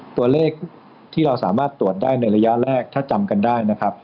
ตัวเลขที่เราสามารถตรวจได้ในระยะแรกถ้าจำกันได้นะครับ